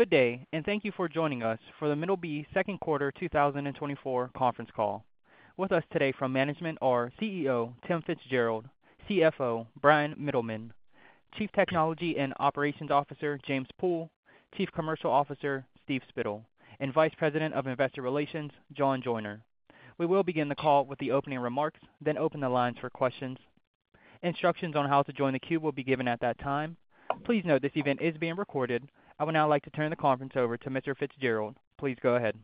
Good day, and thank you for joining us for the Middleby second quarter 2024 conference call. With us today from management are CEO, Tim Fitzgerald, CFO, Bryan Mittelman, Chief Technology and Operations Officer, James Poole, Chief Commercial Officer, Steve Spittle, and Vice President of Investor Relations, John Joyner. We will begin the call with the opening remarks, then open the lines for questions. Instructions on how to join the queue will be given at that time. Please note, this event is being recorded. I would now like to turn the conference over to Mr. Fitzgerald. Please go ahead.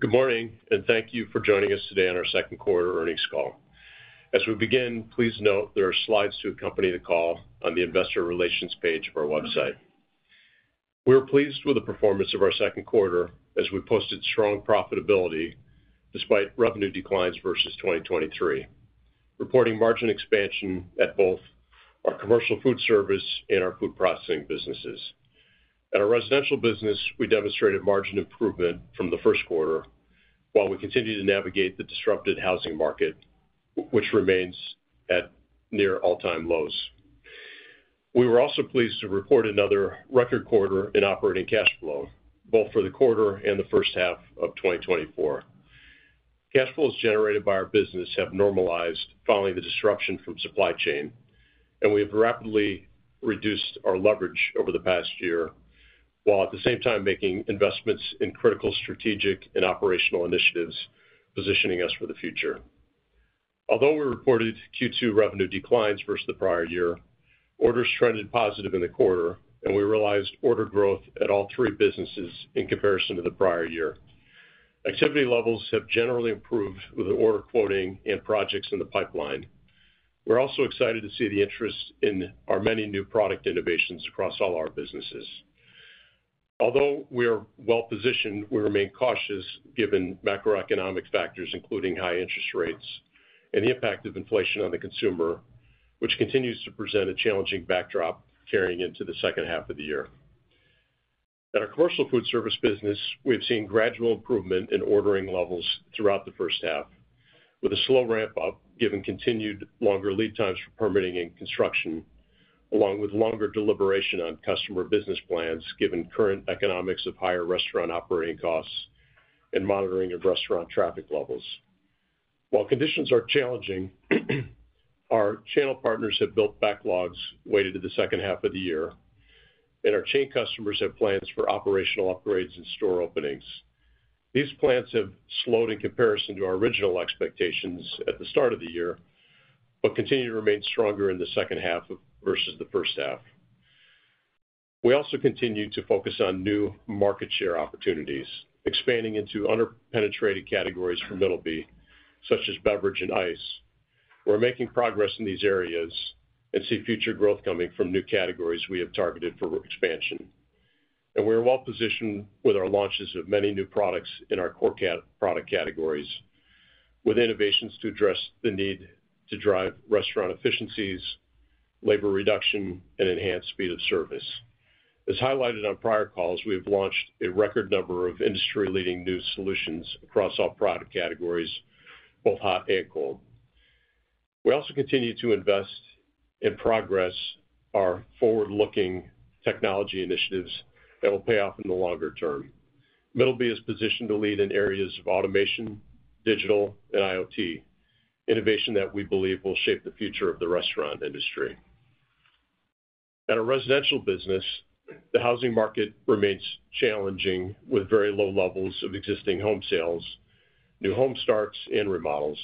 Good morning, and thank you for joining us today on our second quarter earnings call. As we begin, please note there are slides to accompany the call on the investor relations page of our website. We're pleased with the performance of our second quarter, as we posted strong profitability despite revenue declines versus 2023, reporting margin expansion at both our commercial foodservice and our food processing businesses. At our residential business, we demonstrated margin improvement from the first quarter, while we continue to navigate the disrupted housing market, which remains at near all-time lows. We were also pleased to report another record quarter in operating cash flow, both for the quarter and the first half of 2024. Cash flows generated by our business have normalized following the disruption from supply chain, and we have rapidly reduced our leverage over the past year, while at the same time making investments in critical strategic and operational initiatives, positioning us for the future. Although we reported Q2 revenue declines versus the prior year, orders trended positive in the quarter, and we realized order growth at all three businesses in comparison to the prior year. Activity levels have generally improved with the order quoting and projects in the pipeline. We're also excited to see the interest in our many new product innovations across all our businesses. Although we are well positioned, we remain cautious given macroeconomic factors, including high interest rates and the impact of inflation on the consumer, which continues to present a challenging backdrop carrying into the second half of the year. At our commercial foodservice business, we've seen gradual improvement in ordering levels throughout the first half, with a slow ramp-up, given continued longer lead times for permitting and construction, along with longer deliberation on customer business plans, given current economics of higher restaurant operating costs and monitoring of restaurant traffic levels. While conditions are challenging, our channel partners have built backlogs weighted to the second half of the year, and our chain customers have plans for operational upgrades and store openings. These plans have slowed in comparison to our original expectations at the start of the year, but continue to remain stronger in the second half of... versus the first half. We also continue to focus on new market share opportunities, expanding into under-penetrated categories for Middleby, such as beverage and ice. We're making progress in these areas and see future growth coming from new categories we have targeted for expansion. We are well positioned with our launches of many new products in our core product categories, with innovations to address the need to drive restaurant efficiencies, labor reduction, and enhanced speed of service. As highlighted on prior calls, we have launched a record number of industry-leading new solutions across all product categories, both hot and cold. We also continue to invest and progress our forward-looking technology initiatives that will pay off in the longer term. Middleby is positioned to lead in areas of automation, digital, and IoT, innovation that we believe will shape the future of the restaurant industry. At our residential business, the housing market remains challenging, with very low levels of existing home sales, new home starts, and remodels.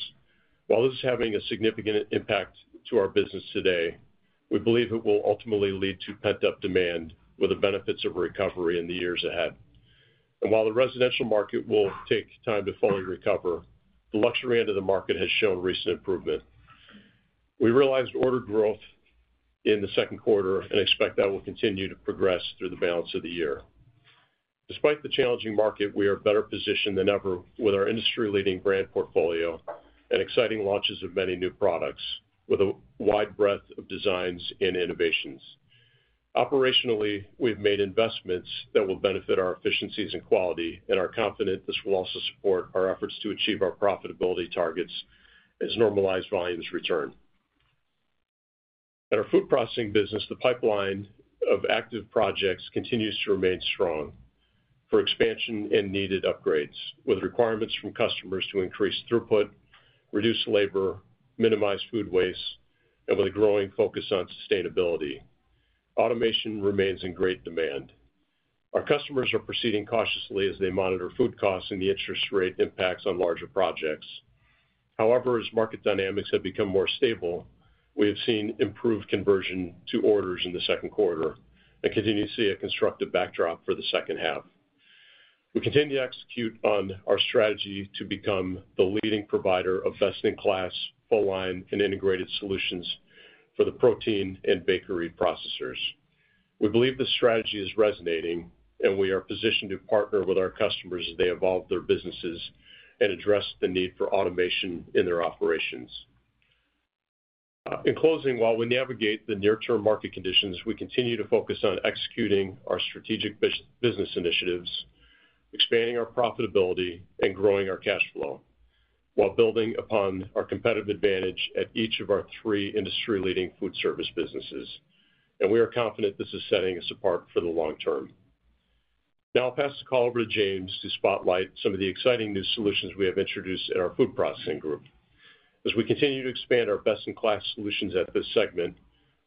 While this is having a significant impact to our business today, we believe it will ultimately lead to pent-up demand with the benefits of recovery in the years ahead. While the residential market will take time to fully recover, the luxury end of the market has shown recent improvement. We realized order growth in the second quarter and expect that will continue to progress through the balance of the year. Despite the challenging market, we are better positioned than ever with our industry-leading brand portfolio and exciting launches of many new products with a wide breadth of designs and innovations. Operationally, we've made investments that will benefit our efficiencies and quality, and are confident this will also support our efforts to achieve our profitability targets as normalized volumes return. At our food processing business, the pipeline of active projects continues to remain strong for expansion and needed upgrades, with requirements from customers to increase throughput, reduce labor, minimize food waste, and with a growing focus on sustainability. Automation remains in great demand. Our customers are proceeding cautiously as they monitor food costs and the interest rate impacts on larger projects. However, as market dynamics have become more stable, we have seen improved conversion to orders in the second quarter and continue to see a constructive backdrop for the second half. We continue to execute on our strategy to become the leading provider of best-in-class, full-line, and integrated solutions for the protein and bakery processors. We believe this strategy is resonating, and we are positioned to partner with our customers as they evolve their businesses and address the need for automation in their operations. In closing, while we navigate the near-term market conditions, we continue to focus on executing our strategic business initiatives, expanding our profitability, and growing our cash flow... while building upon our competitive advantage at each of our three industry-leading food service businesses, and we are confident this is setting us apart for the long term. Now I'll pass the call over to James to spotlight some of the exciting new solutions we have introduced in our food processing group. As we continue to expand our best-in-class solutions at this segment,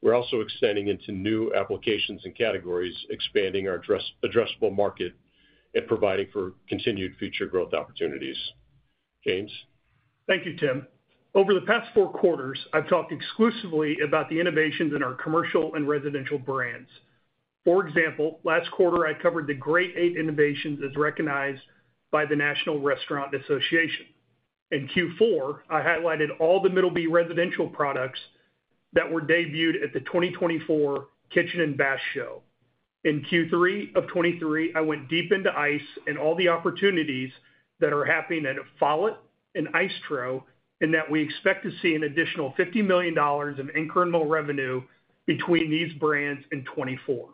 we're also extending into new applications and categories, expanding our addressable market, and providing for continued future growth opportunities. James? Thank you, Tim. Over the past four quarters, I've talked exclusively about the innovations in our commercial and residential brands. For example, last quarter, I covered the Great 8 innovations as recognized by the National Restaurant Association. In Q4, I highlighted all the Middleby residential products that were debuted at the 2024 Kitchen and Bath Show. In Q3 of 2023, I went deep into ice and all the opportunities that are happening at Follett and Icetro, and that we expect to see an additional $50 million of incremental revenue between these brands in 2024.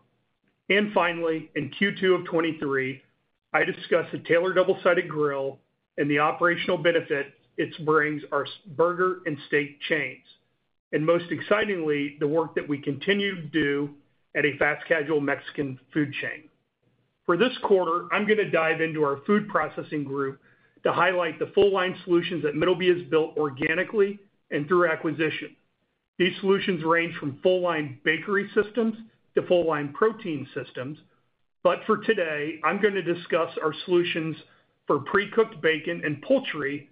And finally, in Q2 of 2023, I discussed the Taylor double-sided grill and the operational benefit it brings our burger and steak chains, and most excitingly, the work that we continue to do at a fast casual Mexican food chain. For this quarter, I'm going to dive into our food processing group to highlight the full line solutions that Middleby has built organically and through acquisition. These solutions range from full line bakery systems to full line protein systems. But for today, I'm going to discuss our solutions for pre-cooked bacon and poultry,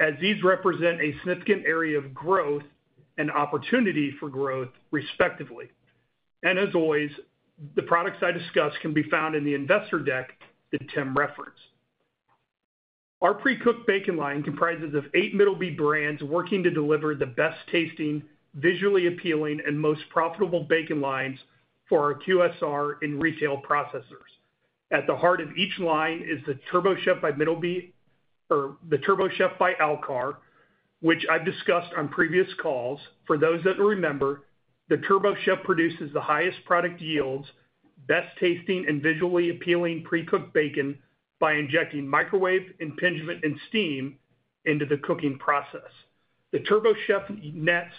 as these represent a significant area of growth and opportunity for growth, respectively. And as always, the products I discuss can be found in the investor deck that Tim referenced. Our pre-cooked bacon line comprises of eight Middleby brands working to deliver the best tasting, visually appealing, and most profitable bacon lines for our QSR and retail processors. At the heart of each line is the TurboChef by Middleby, or the TurboChef by Alkar, which I've discussed on previous calls. For those that remember, the TurboChef produces the highest product yields, best tasting, and visually appealing pre-cooked bacon by injecting microwave, impingement, and steam into the cooking process. The TurboChef nets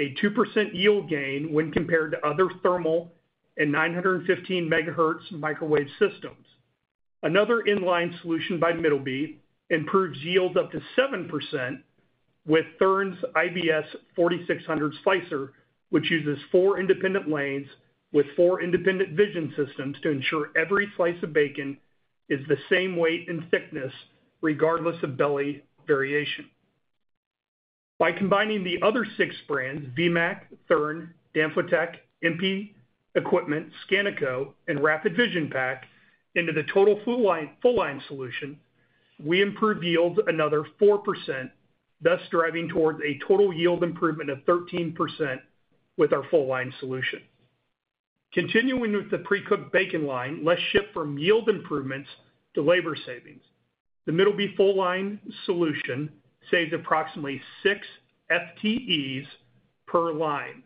a 2% yield gain when compared to other thermal and 915 megahertz microwave systems. Another in-line solution by Middleby improves yields up to 7% with Thurne's IBS 4600 slicer, which uses 4 independent lanes with 4 independent vision systems to ensure every slice of bacon is the same weight and thickness, regardless of belly variation. By combining the other 6 brands, Vemac, Thurne, Danfotech, MP Equipment, Scanico, and RapidPak, into the total full line - full line solution, we improve yields another 4%, thus driving towards a total yield improvement of 13% with our full line solution. Continuing with the pre-cooked bacon line, let's shift from yield improvements to labor savings. The Middleby full line solution saves approximately six FTEs per line.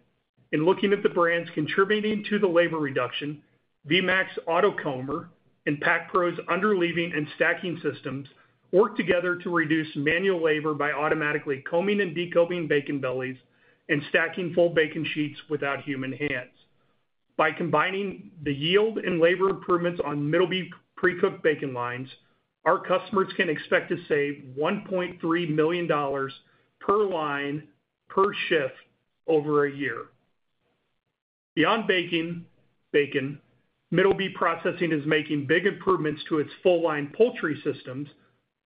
In looking at the brands contributing to the labor reduction, Vemac's Auto Comber and Pacproinc's underleaving and stacking systems work together to reduce manual labor by automatically combing and decombing bacon bellies and stacking full bacon sheets without human hands. By combining the yield and labor improvements on Middleby pre-cooked bacon lines, our customers can expect to save $1.3 million per line, per shift over a year. Beyond baking bacon, Middleby Processing is making big improvements to its full line poultry systems,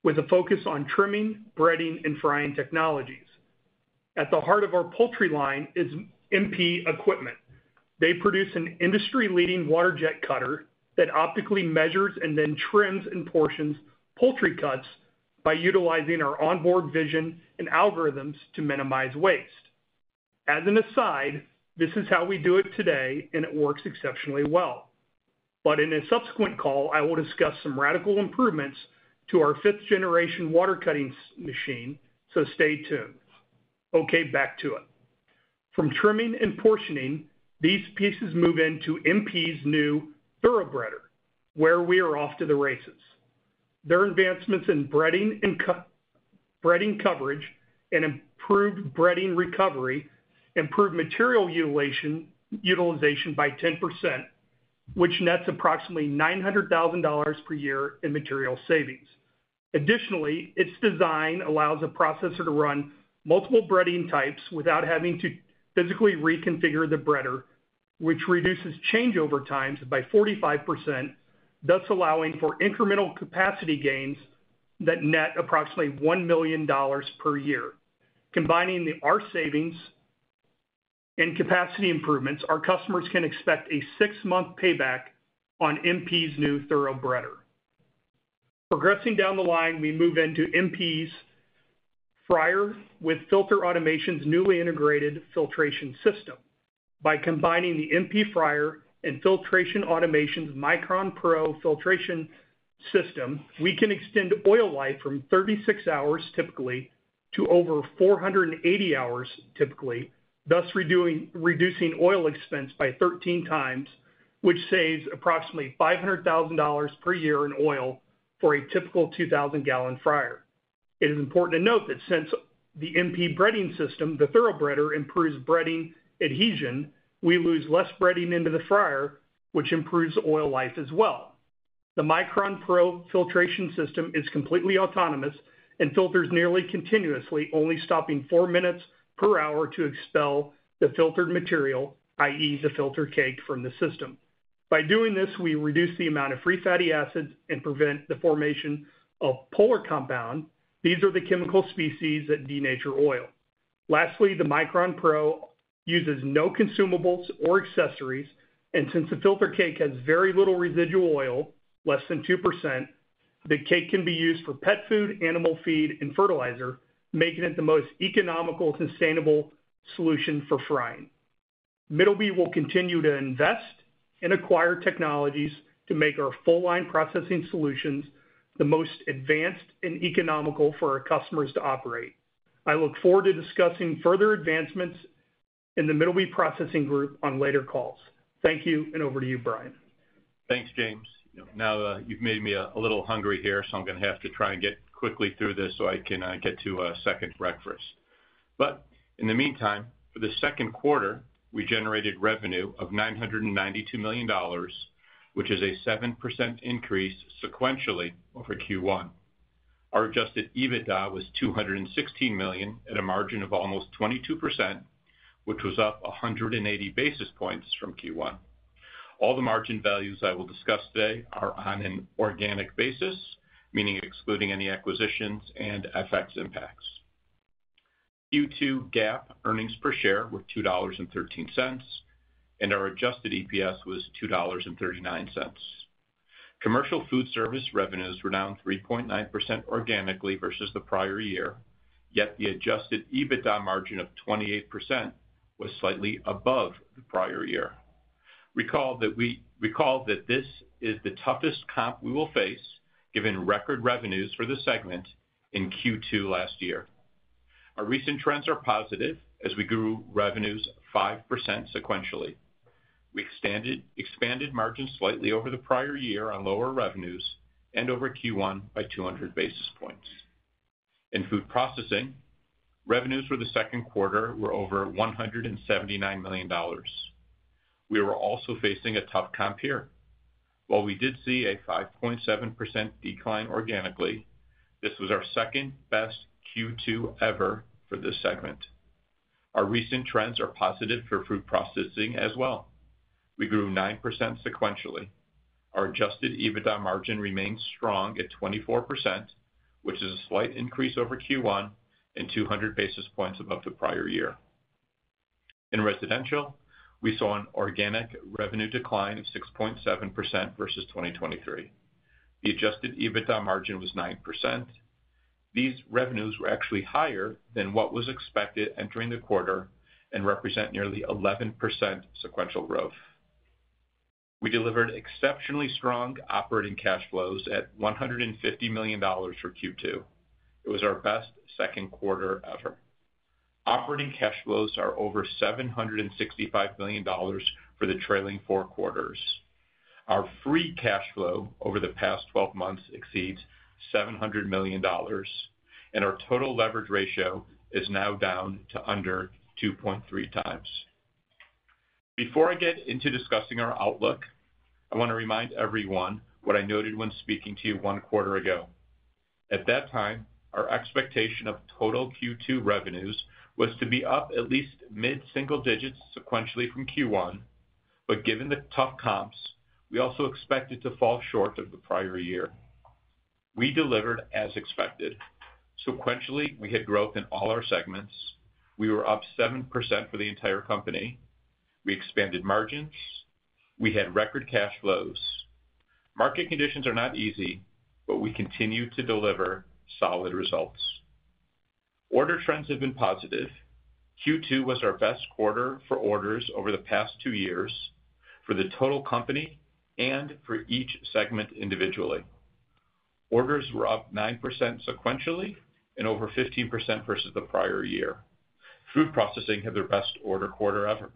with a focus on trimming, breading, and frying technologies. At the heart of our poultry line is MP Equipment. They produce an industry-leading water jet cutter that optically measures and then trims and portions poultry cuts by utilizing our onboard vision and algorithms to minimize waste. As an aside, this is how we do it today, and it works exceptionally well. But in a subsequent call, I will discuss some radical improvements to our fifth-generation water-cutting machine, so stay tuned. Okay, back to it. From trimming and portioning, these pieces move into MP's new ThoroughBreader, where we are off to the races. Their advancements in breading and coating breading coverage and improved breading recovery improve material utilization by 10%, which nets approximately $900,000 per year in material savings. Additionally, its design allows a processor to run multiple breading types without having to physically reconfigure the breader, which reduces changeover times by 45%, thus allowing for incremental capacity gains that net approximately $1 million per year. Combining our savings and capacity improvements, our customers can expect a six-month payback on MP's new ThoroughBreader. Progressing down the line, we move into MP's fryer with Filtration Automation's newly integrated filtration system. By combining the MP fryer and Filtration Automation's Micron-Pro filtration system, we can extend oil life from 36 hours, typically, to over 480 hours, typically, thus reducing oil expense by 13 times, which saves approximately $500,000 per year in oil for a typical 2,000-gallon fryer. It is important to note that since the MP breading system, the ThoroughBreader, improves breading adhesion, we lose less breading into the fryer, which improves oil life as well. The Micron-Pro Filtration System is completely autonomous and filters nearly continuously, only stopping 4 minutes per hour to expel the filtered material, i.e., the filter cake, from the system. By doing this, we reduce the amount of free fatty acids and prevent the formation of polar compound. These are the chemical species that denature oil. Lastly, the Micron-Pro uses no consumables or accessories, and since the filter cake has very little residual oil, less than 2%, the cake can be used for pet food, animal feed, and fertilizer, making it the most economical, sustainable solution for frying. Middleby will continue to invest and acquire technologies to make our full line processing solutions the most advanced and economical for our customers to operate. I look forward to discussing further advancements in the Middleby processing group on later calls. Thank you, and over to you, Bryan. Thanks, James. Now, you've made me a, a little hungry here, so I'm gonna have to try and get quickly through this so I can get to a second breakfast. But in the meantime, for the second quarter, we generated revenue of $992 million, which is a 7% increase sequentially over Q1. Our adjusted EBITDA was $216 million at a margin of almost 22%, which was up 180 basis points from Q1. All the margin values I will discuss today are on an organic basis, meaning excluding any acquisitions and FX impacts. Q2 GAAP earnings per share were $2.13, and our adjusted EPS was $2.39. Commercial food service revenues were down 3.9% organically versus the prior year, yet the adjusted EBITDA margin of 28% was slightly above the prior year. Recall that this is the toughest comp we will face, given record revenues for the segment in Q2 last year. Our recent trends are positive as we grew revenues 5% sequentially. We expanded margins slightly over the prior year on lower revenues and over Q1 by 200 basis points. In food processing, revenues for the second quarter were over $179 million. We were also facing a tough comp here. While we did see a 5.7% decline organically, this was our second-best Q2 ever for this segment. Our recent trends are positive for food processing as well. We grew 9% sequentially. Our Adjusted EBITDA margin remains strong at 24%, which is a slight increase over Q1 and 200 basis points above the prior year. In residential, we saw an organic revenue decline of 6.7% versus 2023. The Adjusted EBITDA margin was 9%. These revenues were actually higher than what was expected entering the quarter and represent nearly 11% sequential growth. We delivered exceptionally strong operating cash flows at $150 million for Q2. It was our best second quarter ever. Operating cash flows are over $765 million for the trailing four quarters. Our free cash flow over the past twelve months exceeds $700 million, and our total leverage ratio is now down to under 2.3 times. Before I get into discussing our outlook, I wanna remind everyone what I noted when speaking to you one quarter ago. At that time, our expectation of total Q2 revenues was to be up at least mid-single digits sequentially from Q1, but given the tough comps, we also expected to fall short of the prior year. We delivered as expected. Sequentially, we had growth in all our segments. We were up 7% for the entire company. We expanded margins. We had record cash flows. Market conditions are not easy, but we continue to deliver solid results. Order trends have been positive. Q2 was our best quarter for orders over the past two years for the total company and for each segment individually. Orders were up 9% sequentially and over 15% versus the prior year. Food processing had their best order quarter ever.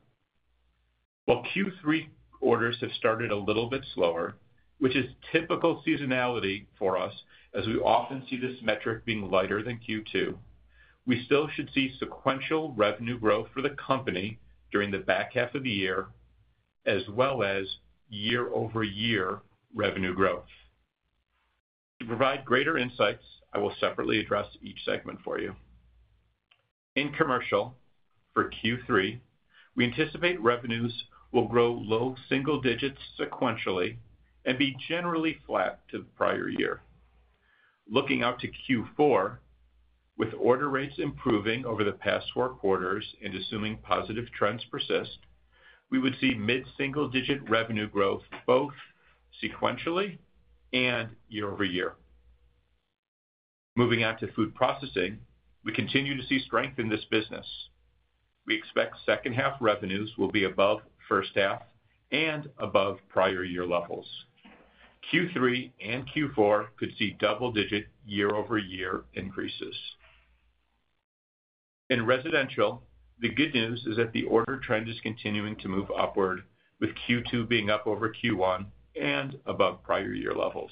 While Q3 orders have started a little bit slower, which is typical seasonality for us as we often see this metric being lighter than Q2, we still should see sequential revenue growth for the company during the back half of the year, as well as year-over-year revenue growth. To provide greater insights, I will separately address each segment for you. In commercial, for Q3, we anticipate revenues will grow low single digits sequentially and be generally flat to the prior year. Looking out to Q4, with order rates improving over the past 4 quarters and assuming positive trends persist, we would see mid-single-digit revenue growth both sequentially and year over year. Moving on to food processing, we continue to see strength in this business. We expect second half revenues will be above first half and above prior year levels. Q3 and Q4 could see double-digit year-over-year increases. In residential, the good news is that the order trend is continuing to move upward, with Q2 being up over Q1 and above prior year levels.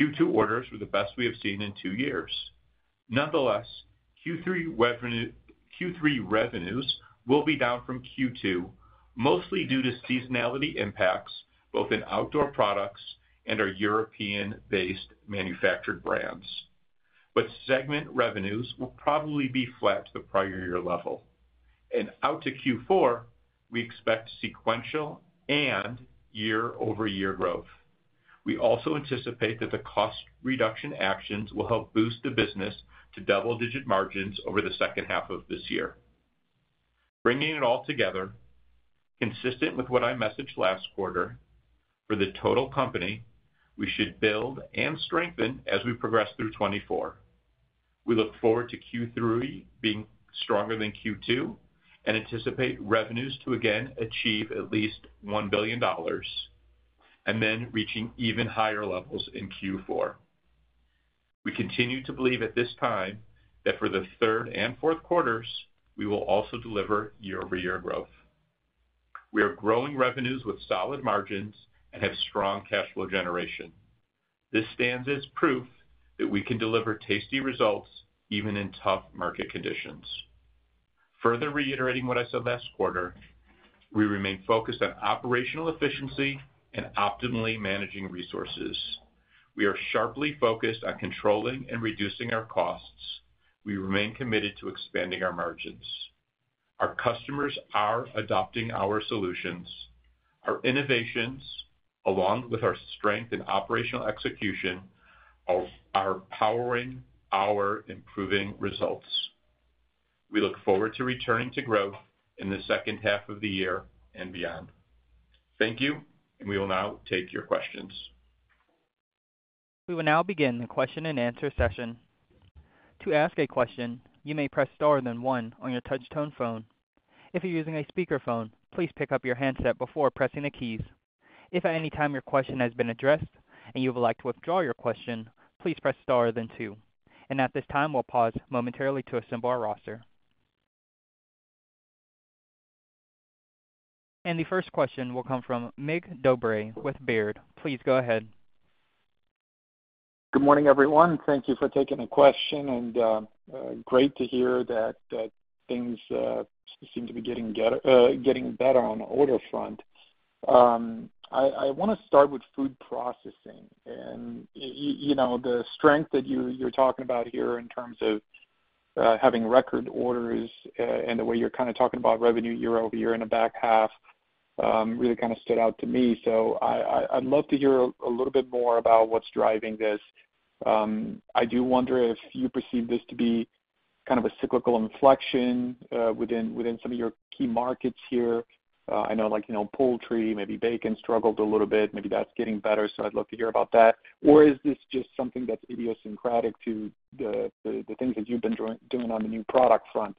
Q2 orders were the best we have seen in two years. Nonetheless, Q3 revenues will be down from Q2, mostly due to seasonality impacts, both in outdoor products and our European-based manufactured brands. But segment revenues will probably be flat to the prior year level. And out to Q4, we expect sequential and year-over-year growth. We also anticipate that the cost reduction actions will help boost the business to double-digit margins over the second half of this year. Bringing it all together, consistent with what I messaged last quarter, for the total company, we should build and strengthen as we progress through 2024. We look forward to Q3 being stronger than Q2 and anticipate revenues to again achieve at least $1 billion, and then reaching even higher levels in Q4. We continue to believe at this time, that for the third and fourth quarters, we will also deliver year-over-year growth. We are growing revenues with solid margins and have strong cash flow generation. This stands as proof that we can deliver tasty results even in tough market conditions. Further reiterating what I said last quarter, we remain focused on operational efficiency and optimally managing resources. We are sharply focused on controlling and reducing our costs. We remain committed to expanding our margins. Our customers are adopting our solutions, our innovations, along with our strength and operational execution, are powering our improving results. We look forward to returning to growth in the second half of the year and beyond. Thank you, and we will now take your questions. We will now begin the question and answer session. To ask a question, you may press Star, then one on your touch tone phone. If you're using a speakerphone, please pick up your handset before pressing the keys. If at any time your question has been addressed and you would like to withdraw your question, please press Star, then two. At this time, we'll pause momentarily to assemble our roster. The first question will come from Mig Dobre with Baird. Please go ahead. Good morning, everyone. Thank you for taking the question, and great to hear that things seem to be getting better on the order front. I wanna start with food processing and you know, the strength that you're talking about here in terms of having record orders and the way you're kinda talking about revenue year over year in the back half, really kind of stood out to me. So I'd love to hear a little bit more about what's driving this. I do wonder if you perceive this to be kind of a cyclical inflection within some of your key markets here. I know, like, you know, poultry, maybe bacon struggled a little bit, maybe that's getting better, so I'd love to hear about that. Or is this just something that's idiosyncratic to the things that you've been doing on the new product front?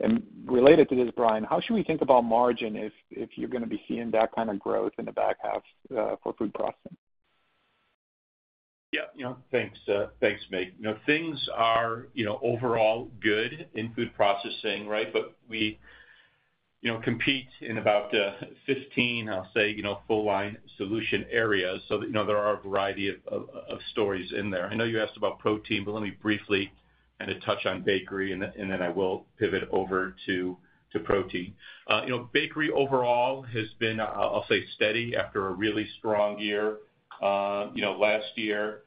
And related to this, Bryan, how should we think about margin if you're gonna be seeing that kind of growth in the back half, for food processing? Yeah, you know, thanks. Thanks, Mig. You know, things are, you know, overall good in food processing, right? But we, you know, compete in about 15, I'll say, you know, full line solution areas. So, you know, there are a variety of stories in there. I know you asked about protein, but let me briefly kind of touch on bakery, and then I will pivot over to protein. You know, bakery overall has been, I'll say, steady after a really strong year, you know, last year.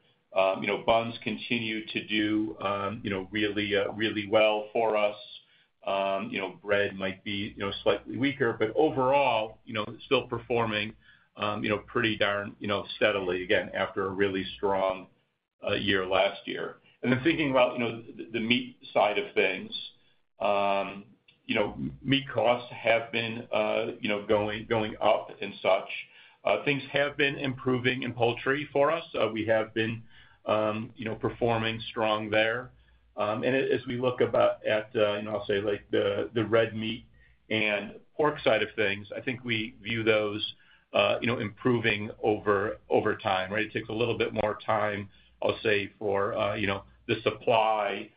You know, buns continue to do, you know, really really well for us. You know, bread might be, you know, slightly weaker, but overall, you know, still performing, you know, pretty darn, you know, steadily, again, after a really strong year last year. Then thinking about, you know, the meat side of things, you know, meat costs have been, you know, going up and such. Things have been improving in poultry for us. We have been, you know, performing strong there. And as we look about at, you know, I'll say, like, the red meat and pork side of things, I think we view those, you know, improving over time, right? It takes a little bit more time, I'll say, for, you know, the supply,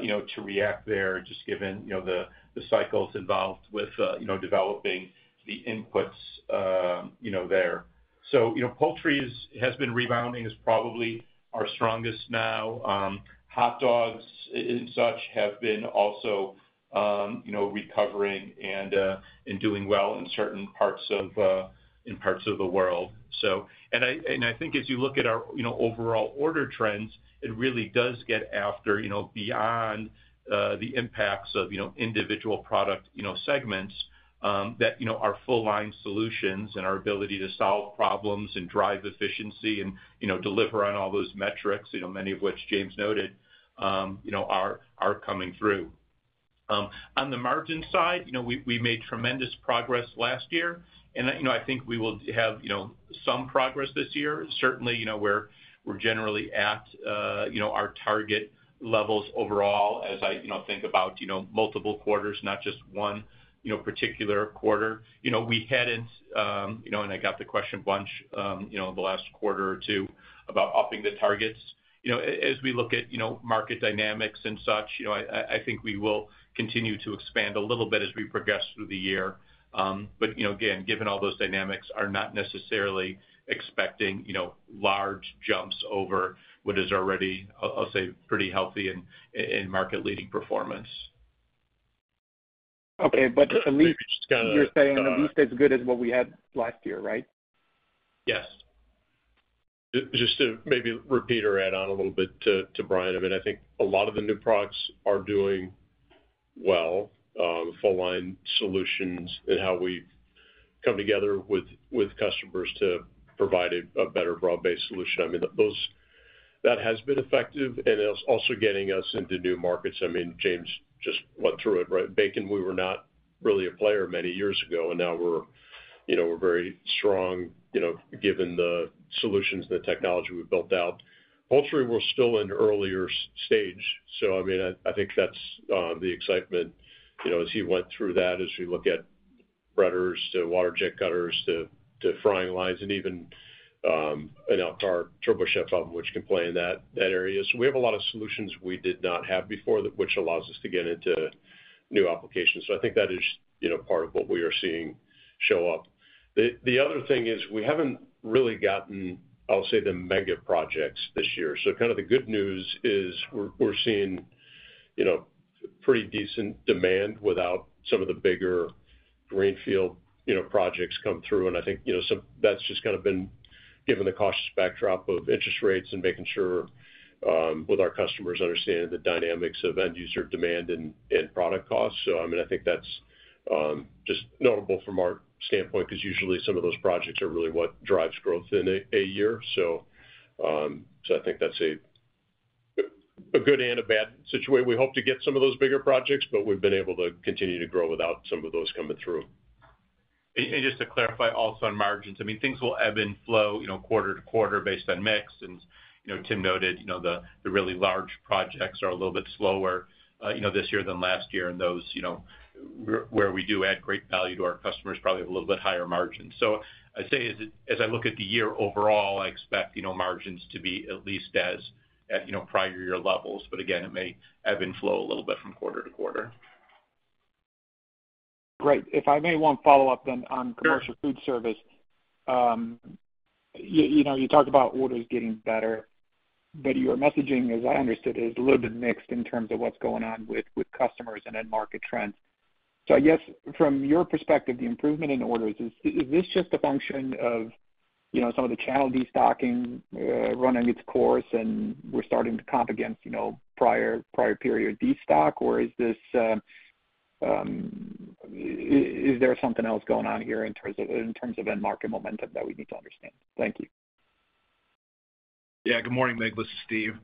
you know, to react there, just given, you know, the cycles involved with, you know, developing the inputs, you know, there. So, you know, poultry has been rebounding, is probably our strongest now. Hot dogs and such have been also, you know, recovering and doing well in certain parts of, in parts of the world. So. And I think as you look at our, you know, overall order trends, it really does get after, you know, beyond the impacts of, you know, individual product, you know, segments, that, you know, our full line solutions and our ability to solve problems and drive efficiency and, you know, deliver on all those metrics, you know, many of which James noted, you know, are coming through. On the margin side, you know, we made tremendous progress last year, and, you know, I think we will have, you know, some progress this year. Certainly, you know, we're generally at, you know, our target levels overall, as I, you know, think about, you know, multiple quarters, not just one, you know, particular quarter. You know, we hadn't, you know, and I got the question a bunch, you know, in the last quarter or two about upping the targets.... You know, as we look at, you know, market dynamics and such, you know, I think we will continue to expand a little bit as we progress through the year. But, you know, again, given all those dynamics, are not necessarily expecting, you know, large jumps over what is already, I'll say, pretty healthy and market-leading performance. Okay, but at least- Maybe just kinda, You're saying at least as good as what we had last year, right? Yes. Just to maybe repeat or add on a little bit to Brian a bit. I think a lot of the new products are doing well, full line solutions and how we've come together with customers to provide a better broad-based solution. I mean, those. That has been effective, and it's also getting us into new markets. I mean, James just went through it, right? Bacon, we were not really a player many years ago, and now we're, you know, we're very strong, you know, given the solutions and the technology we've built out. Poultry, we're still in earlier stage, so I mean, I think that's the excitement, you know, as he went through that, as we look at breaders to water jet cutters to frying lines and even and now our TurboChef oven, which can play in that area. So we have a lot of solutions we did not have before, that which allows us to get into new applications. So I think that is, you know, part of what we are seeing show up. The other thing is, we haven't really gotten, I'll say, the mega projects this year. So kind of the good news is we're seeing, you know, pretty decent demand without some of the bigger greenfield, you know, projects come through. And I think, you know, some-- that's just kind of been given the cautious backdrop of interest rates and making sure, with our customers, understanding the dynamics of end user demand and product costs. So, I mean, I think that's just notable from our standpoint, 'cause usually some of those projects are really what drives growth in a year. So, I think that's a good and a bad situation. We hope to get some of those bigger projects, but we've been able to continue to grow without some of those coming through. Just to clarify also on margins, I mean, things will ebb and flow, you know, quarter to quarter based on mix. You know, Tim noted, you know, the really large projects are a little bit slower, you know, this year than last year, and those, you know, where we do add great value to our customers, probably have a little bit higher margin. So I'd say, as I look at the year overall, I expect, you know, margins to be at least as at prior year levels, but again, it may ebb and flow a little bit from quarter to quarter. Great. If I may, one follow-up then on- Sure... commercial food service. You know, you talked about orders getting better, but your messaging, as I understood, is a little bit mixed in terms of what's going on with customers and end market trends. So I guess from your perspective, the improvement in orders, is this just a function of, you know, some of the channel destocking running its course, and we're starting to comp against, you know, prior period destock? Or is this, is there something else going on here in terms of end market momentum that we need to understand? Thank you. Yeah, good morning, Nick. This is Steve.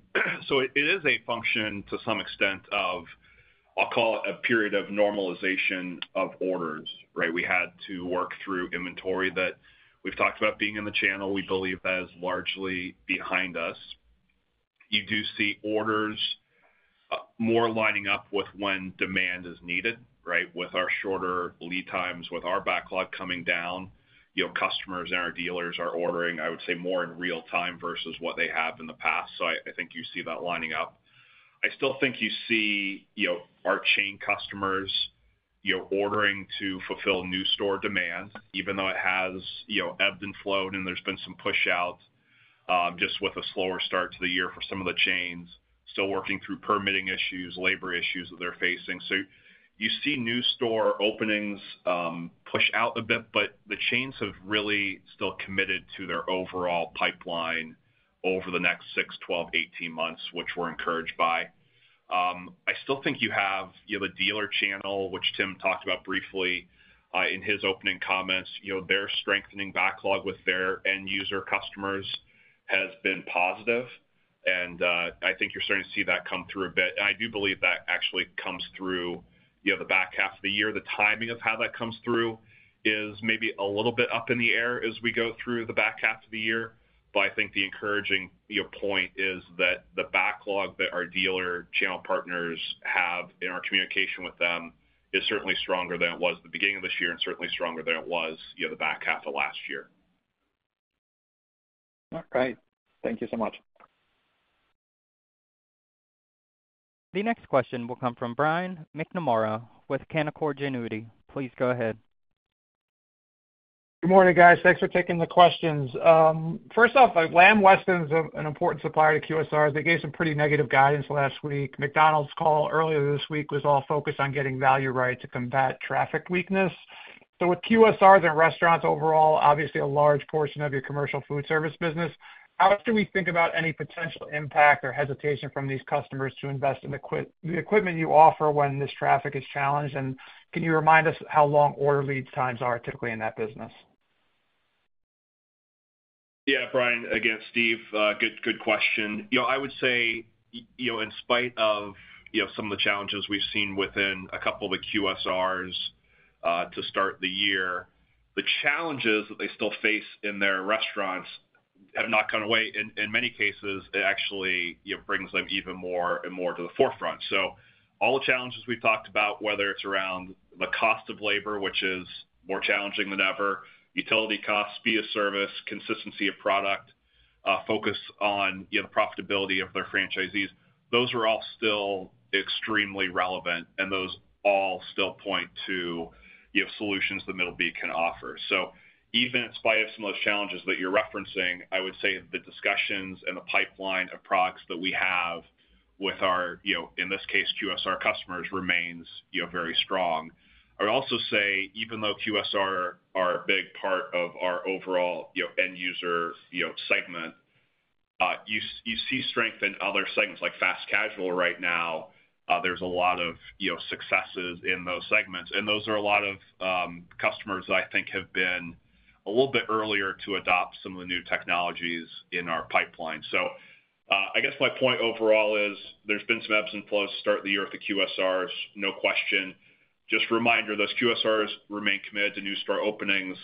So it is a function to some extent of, I'll call it, a period of normalization of orders, right? We had to work through inventory that we've talked about being in the channel. We believe that is largely behind us. You do see orders more lining up with when demand is needed, right? With our shorter lead times, with our backlog coming down, you know, customers and our dealers are ordering, I would say, more in real time versus what they have in the past. So I, I think you see that lining up. I still think you see, you know, our chain customers, you know, ordering to fulfill new store demand, even though it has, you know, ebbed and flowed, and there's been some push out, just with a slower start to the year for some of the chains, still working through permitting issues, labor issues that they're facing. So you see new store openings, push out a bit, but the chains have really still committed to their overall pipeline over the next 6, 12, 18 months, which we're encouraged by. I still think you have, you have a dealer channel, which Tim talked about briefly, in his opening comments. You know, their strengthening backlog with their end user customers has been positive, and, I think you're starting to see that come through a bit. I do believe that actually comes through, you know, the back half of the year. The timing of how that comes through is maybe a little bit up in the air as we go through the back half of the year, but I think the encouraging, you know, point is that the backlog that our dealer channel partners have in our communication with them is certainly stronger than it was the beginning of this year and certainly stronger than it was, you know, the back half of last year. All right. Thank you so much. The next question will come from Brian McNamara with Canaccord Genuity. Please go ahead. Good morning, guys. Thanks for taking the questions. First off, Lamb Weston is an important supplier to QSRs. They gave some pretty negative guidance last week. McDonald's call earlier this week was all focused on getting value right to combat traffic weakness. So with QSRs and restaurants overall, obviously a large portion of your commercial food service business, how much do we think about any potential impact or hesitation from these customers to invest in the equipment you offer when this traffic is challenged? And can you remind us how long order lead times are typically in that business? Yeah, Brian, again, Steve. Good, good question. You know, I would say, you know, in spite of, you know, some of the challenges we've seen within a couple of the QSRs, to start the year, the challenges that they still face in their restaurants have not gone away. In many cases, it actually, you know, brings them even more and more to the forefront. So all the challenges we've talked about, whether it's around the cost of labor, which is more challenging than ever, utility costs, speed of service, consistency of product, focus on, you know, the profitability of their franchisees, those are all still extremely relevant, and those all still point to, you have solutions that Middleby can offer. So even in spite of some of those challenges that you're referencing, I would say the discussions and the pipeline of products that we have with our, you know, in this case, QSR customers, remains, you know, very strong. I would also say, even though QSR are a big part of our overall, you know, end user, you know, segment, you see strength in other segments like fast casual right now. There's a lot of, you know, successes in those segments, and those are a lot of, customers that I think have been a little bit earlier to adopt some of the new technologies in our pipeline. So, I guess my point overall is there's been some ebbs and flows to start the year with the QSRs, no question. Just a reminder, those QSRs remain committed to new store openings.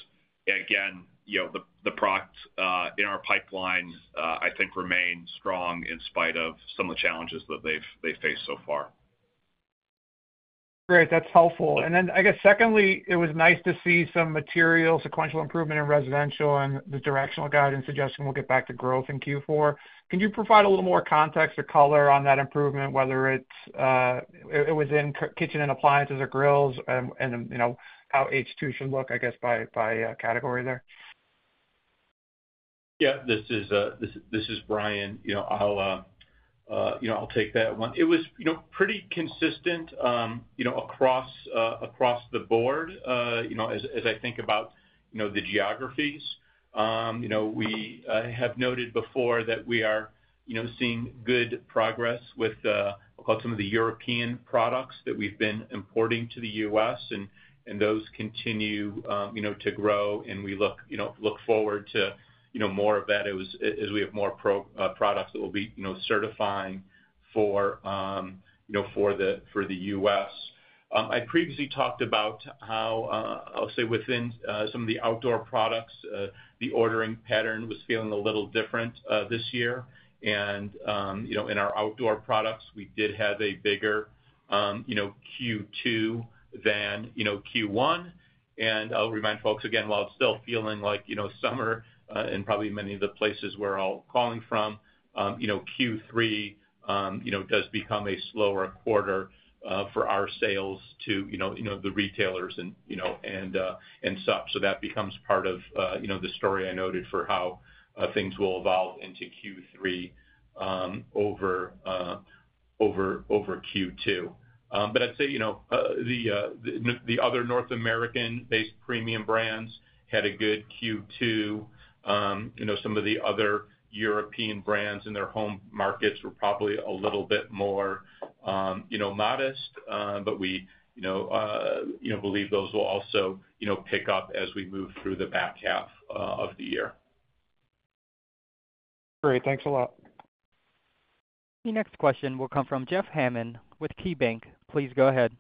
Again, you know, the products in our pipeline, I think, remain strong in spite of some of the challenges that they face so far. Great, that's helpful. And then I guess secondly, it was nice to see some material sequential improvement in residential and the directional guidance suggesting we'll get back to growth in Q4. Can you provide a little more context or color on that improvement, whether it's in kitchen and appliances or grills and, you know, how H2 should look, I guess, by category there? Yeah, this is Brian. You know, I'll take that one. It was, you know, pretty consistent, you know, across the board. You know, as I think about, you know, the geographies, you know, we have noted before that we are, you know, seeing good progress with, I'll call it, some of the European products that we've been importing to the U.S., and those continue, you know, to grow, and we look forward to, you know, more of that as we have more products that we'll be, you know, certifying for the U.S. I previously talked about how, I'll say within, some of the outdoor products, the ordering pattern was feeling a little different, this year. You know, in our outdoor products, we did have a bigger, you know, Q2 than, you know, Q1. I'll remind folks again, while it's still feeling like, you know, summer, in probably many of the places we're all calling from, you know, Q3, you know, does become a slower quarter, for our sales to, you know, you know, the retailers and, you know, and such. That becomes part of, you know, the story I noted for how, things will evolve into Q3, over Q2. But I'd say, you know, the other North American-based premium brands had a good Q2. You know, some of the other European brands in their home markets were probably a little bit more, you know, modest. But we, you know, believe those will also, you know, pick up as we move through the back half of the year. Great. Thanks a lot. The next question will come from Jeff Hammond with KeyBank. Please go ahead.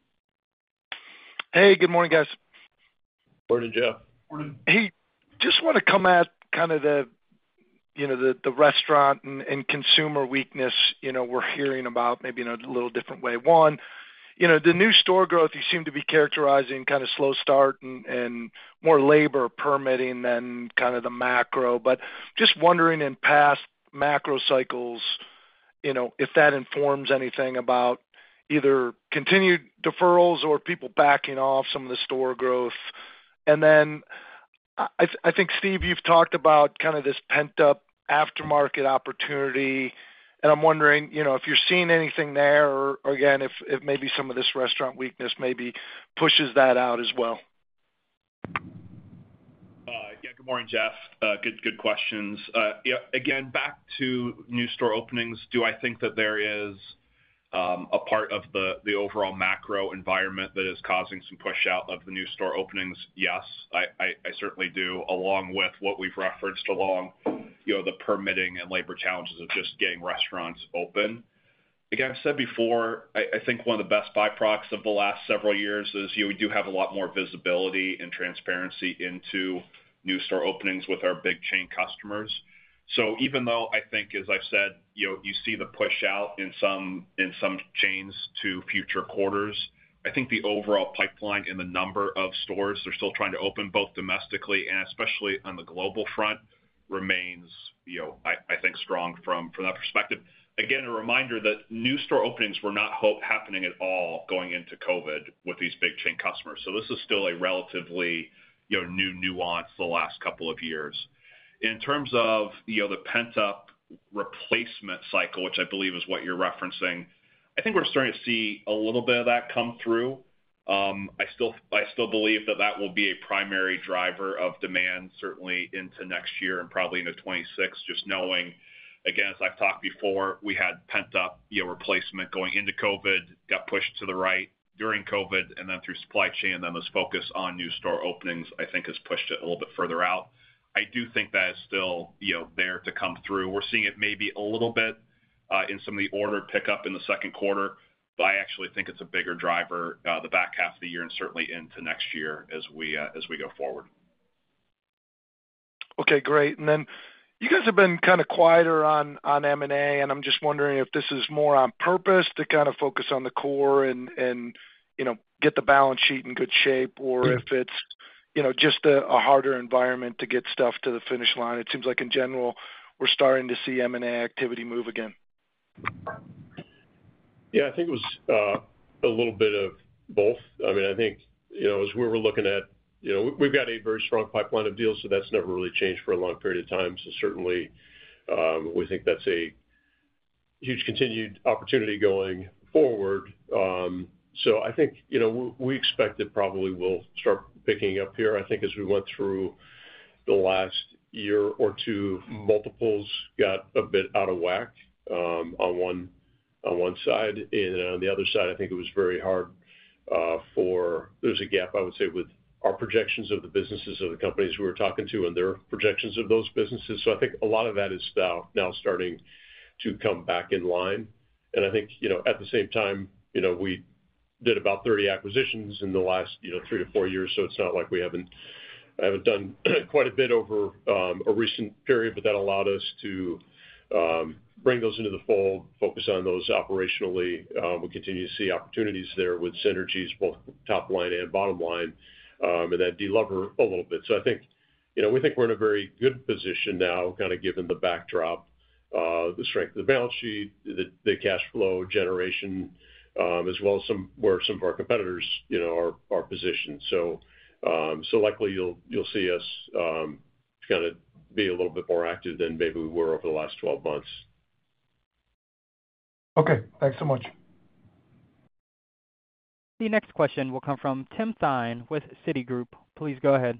Hey, good morning, guys. Morning, Jeff. Morning. Hey, just wanna come at kind of the, you know, the restaurant and consumer weakness, you know, we're hearing about maybe in a little different way. One, you know, the new store growth, you seem to be characterizing kind of slow start and more labor permitting than kind of the macro. But just wondering in past macro cycles, you know, if that informs anything about either continued deferrals or people backing off some of the store growth. And then I think, Steve, you've talked about kind of this pent-up aftermarket opportunity, and I'm wondering, you know, if you're seeing anything there or again, if maybe some of this restaurant weakness maybe pushes that out as well. Yeah. Good morning, Jeff. Good, good questions. Yeah, again, back to new store openings. Do I think that there is a part of the overall macro environment that is causing some push out of the new store openings? Yes, I certainly do, along with what we've referenced along, you know, the permitting and labor challenges of just getting restaurants open. Again, I've said before, I think one of the best byproducts of the last several years is, you know, we do have a lot more visibility and transparency into new store openings with our big chain customers. So even though I think, as I've said, you know, you see the push out in some, in some chains to future quarters, I think the overall pipeline in the number of stores they're still trying to open, both domestically and especially on the global front, remains, you know, I, I think, strong from, from that perspective. Again, a reminder that new store openings were not happening at all going into COVID with these big chain customers. So this is still a relatively, you know, new nuance the last couple of years. In terms of, you know, the pent-up replacement cycle, which I believe is what you're referencing, I think we're starting to see a little bit of that come through. I still, I still believe that that will be a primary driver of demand, certainly into next year and probably into 2026, just knowing, again, as I've talked before, we had pent up, you know, replacement going into COVID, got pushed to the right during COVID, and then through supply chain, and then this focus on new store openings, I think has pushed it a little bit further out. I do think that is still, you know, there to come through. We're seeing it maybe a little bit in some of the order pickup in the second quarter, but I actually think it's a bigger driver, the back half of the year and certainly into next year as we as we go forward. Okay, great. And then you guys have been kind of quieter on M&A, and I'm just wondering if this is more on purpose to kind of focus on the core and, you know, get the balance sheet in good shape, or if it's you know, just a harder environment to get stuff to the finish line? It seems like in general, we're starting to see M&A activity move again. Yeah, I think it was a little bit of both. I mean, I think, you know, as we were looking at, you know, we've got a very strong pipeline of deals, so that's never really changed for a long period of time. So certainly, we think that's a huge continued opportunity going forward. So I think, you know, we, we expect it probably will start picking up here. I think as we went through the last year or two, multiples got a bit out of whack, on one, on one side, and on the other side, I think it was very hard, there's a gap, I would say, with our projections of the businesses of the companies we were talking to and their projections of those businesses. So I think a lot of that is now, now starting to come back in line. I think, you know, at the same time, you know, we did about 30 acquisitions in the last, you know, 3-4 years, so it's not like we haven't, haven't done quite a bit over a recent period, but that allowed us to bring those into the fold, focus on those operationally. We continue to see opportunities there with synergies, both top line and bottom line, and that delever a little bit. So I think, you know, we think we're in a very good position now, kind of given the backdrop, the strength of the balance sheet, the cash flow generation, as well as some, where some of our competitors, you know, are positioned. So, so likely you'll see us kind of be a little bit more active than maybe we were over the last 12 months. Okay. Thanks so much. The next question will come from Tim Thein with Citigroup. Please go ahead.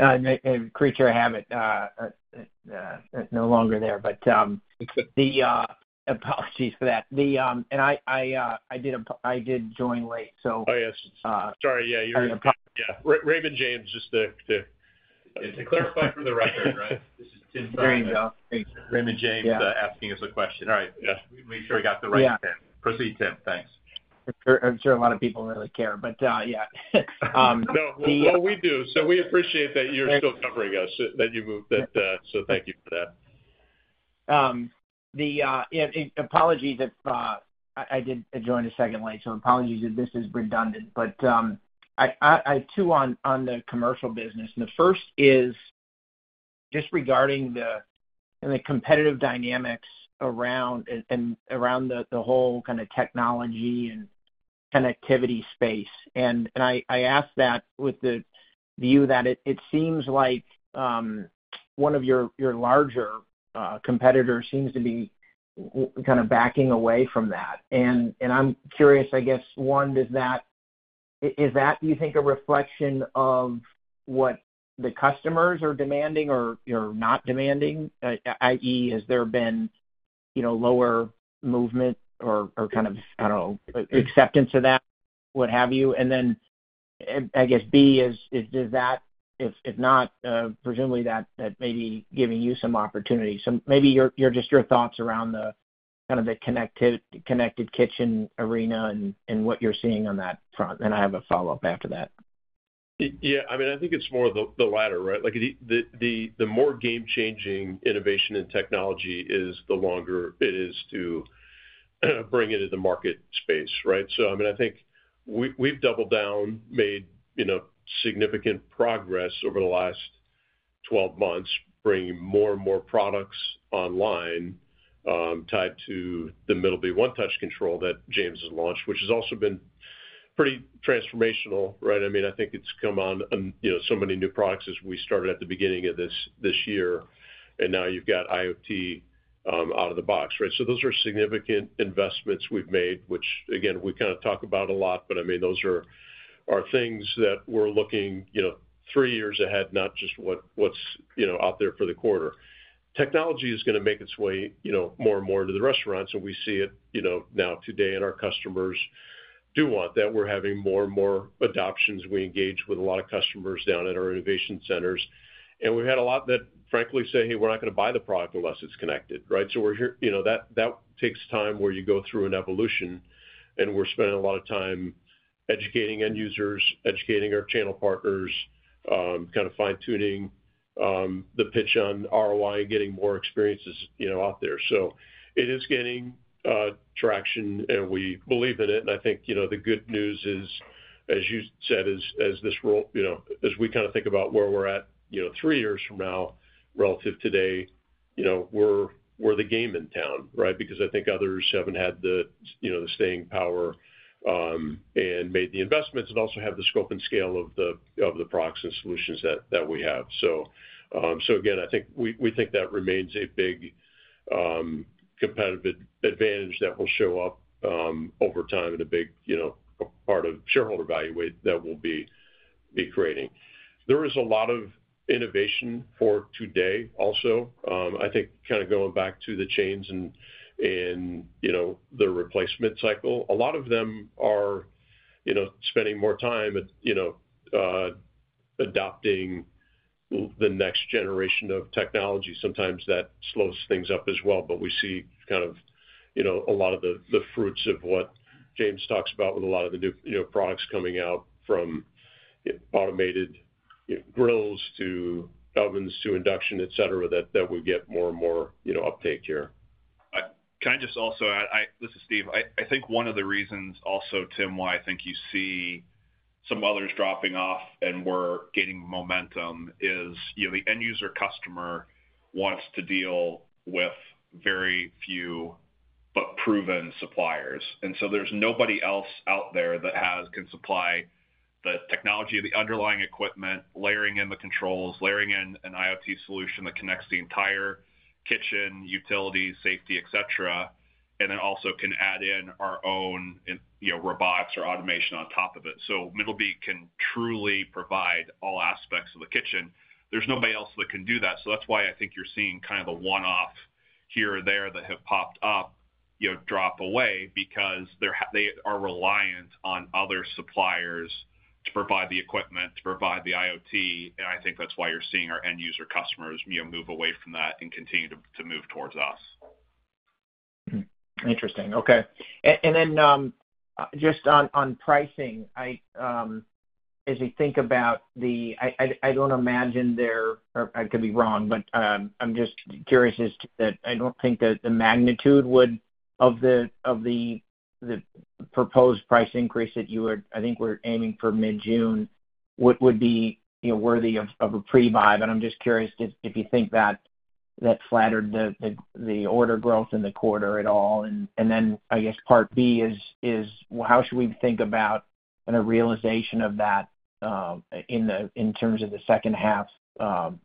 A creature of habit no longer there. But apologies for that. And I did join late, so- Oh, yes. Uh. Sorry, yeah, you're- Sorry about that. Yeah. Raymond James, just to, To clarify for the record, right? This is Tim Thein. There you go. Thanks. Raymond James- Yeah Asking us a question. All right. Yeah. Make sure we got the right Tim. Yeah. Proceed, Tim. Thanks. I'm sure, I'm sure a lot of people really care, but, yeah. No, well, we do. So we appreciate that you're still covering us, that you moved, that, so thank you for that. Yeah, apologies if I did join a second late, so apologies if this is redundant. But I have two on the commercial business, and the first is just regarding the competitive dynamics around the whole kind of technology and connectivity space. And I ask that with the view that it seems like one of your larger competitors seems to be kind of backing away from that. And I'm curious, I guess, one, does that—is that, you think, a reflection of what the customers are demanding or not demanding? I.e., has there been, you know, lower movement or kind of, I don't know, acceptance of that, what have you? And then, I guess B is that if not, presumably that may be giving you some opportunity. So maybe just your thoughts around the kind of the connected kitchen arena and what you're seeing on that front, and I have a follow-up after that. Yeah, I mean, I think it's more of the latter, right? Like, the more game-changing innovation in technology is, the longer it is to bring it into market space, right? So I mean, I think we, we've doubled down, made, you know, significant progress over the last 12 months, bringing more and more products online, tied to the Middleby One Touch control that James has launched, which has also been pretty transformational, right? I mean, I think it's come on, you know, so many new products as we started at the beginning of this year, and now you've got IoT out of the box, right? So those are significant investments we've made, which again, we kind of talk about a lot, but I mean, those are things that we're looking, you know, three years ahead, not just what's, you know, out there for the quarter. Technology is gonna make its way, you know, more and more into the restaurants, and we see it, you know, now today, and our customers do want that. We're having more and more adoptions. We engage with a lot of customers down at our innovation centers, and we've had a lot that frankly say: Hey, we're not gonna buy the product unless it's connected, right? So we're here. You know, that, that takes time, where you go through an evolution, and we're spending a lot of time educating end users, educating our channel partners, kind of fine-tuning the pitch on ROI and getting more experiences, you know, out there. So it is gaining traction, and we believe in it, and I think, you know, the good news is, as you said, as, as this roll, you know, as we kind of think about where we're at, you know, three years from now, relative today, you know, we're, we're the game in town, right? Because I think others haven't had the, you know, the staying power, and made the investments and also have the scope and scale of the, of the products and solutions that, that we have. So again, I think we think that remains a big competitive advantage that will show up over time and a big, you know, a part of shareholder value way that we'll be creating. There is a lot of innovation for today also. I think kind of going back to the chains and the replacement cycle, a lot of them are spending more time at adopting the next generation of technology. Sometimes that slows things up as well, but we see kind of a lot of the fruits of what James talks about with a lot of the new products coming out, from automated grills to ovens to induction, et cetera, that will get more and more uptake here. ... Can I just also add, this is Steve. I think one of the reasons also, Tim, why I think you see some others dropping off and we're gaining momentum is, you know, the end user customer wants to deal with very few but proven suppliers. And so there's nobody else out there that has, can supply the technology of the underlying equipment, layering in the controls, layering in an IoT solution that connects the entire kitchen, utility, safety, et cetera, and then also can add in our own in, you know, robots or automation on top of it. So Middleby can truly provide all aspects of the kitchen. There's nobody else that can do that. So that's why I think you're seeing kind of a one-off here or there that have popped up, you know, drop away because they are reliant on other suppliers to provide the equipment, to provide the IoT, and I think that's why you're seeing our end user customers, you know, move away from that and continue to move towards us. Hmm. Interesting. Okay. And then, just on pricing, as you think about the... I don't imagine there, or I could be wrong, but, I'm just curious as to that I don't think that the magnitude would have of the proposed price increase that you would—I think we're aiming for mid-June, would be, you know, worthy of a pre-buy. But I'm just curious if you think that flattered the order growth in the quarter at all. And then, I guess part B is, well, how should we think about a realization of that in terms of the second half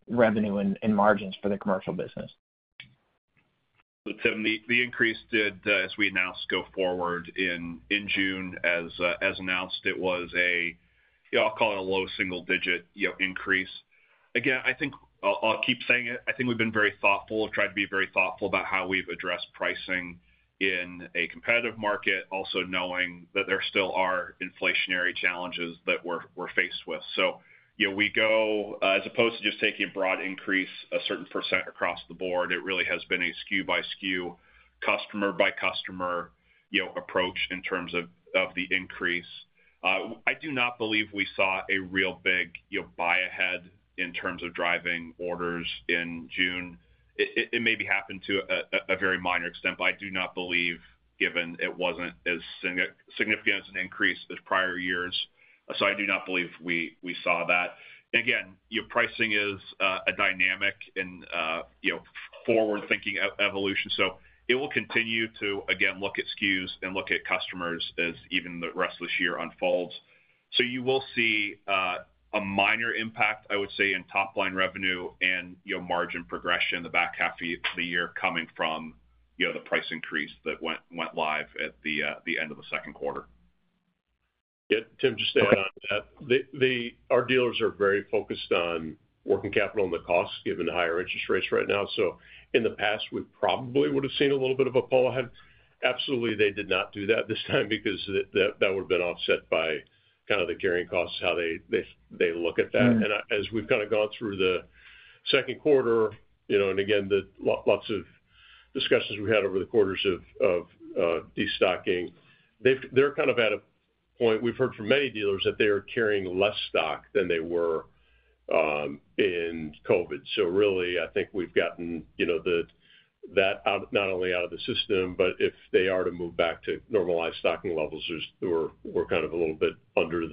revenue and margins for the commercial business? So, Tim, the increase did, as we announced, go forward in June. As announced, it was a, yeah, I'll call it a low single digit, you know, increase. Again, I think I'll keep saying it. I think we've been very thoughtful. We've tried to be very thoughtful about how we've addressed pricing in a competitive market, also knowing that there still are inflationary challenges that we're faced with. So, you know, we go, as opposed to just taking a broad increase, a certain percent across the board, it really has been a SKU by SKU, customer by customer, you know, approach in terms of the increase. I do not believe we saw a real big, you know, buy ahead in terms of driving orders in June. It maybe happened to a very minor extent, but I do not believe, given it wasn't as significant an increase as prior years. So I do not believe we saw that. Again, your pricing is a dynamic and, you know, forward-thinking evolution, so it will continue to again look at SKUs and look at customers as even the rest of this year unfolds. So you will see a minor impact, I would say, in top-line revenue and, you know, margin progression in the back half of the year coming from, you know, the price increase that went live at the end of the second quarter. Yeah, Tim, just to add on that. Our dealers are very focused on working capital and the costs, given the higher interest rates right now. So in the past, we probably would've seen a little bit of a pull ahead. Absolutely, they did not do that this time because that would've been offset by kind of the carrying costs, how they look at that. Mm-hmm. As we've kind of gone through the second quarter, you know, and again, the lots of discussions we had over the quarters of destocking, they're kind of at a point. We've heard from many dealers that they are carrying less stock than they were in COVID. So really, I think we've gotten that out, not only out of the system, but if they are to move back to normalized stocking levels, there's, we're kind of a little bit under